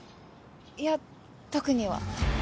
いや特には。